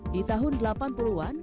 di tahun delapan puluh an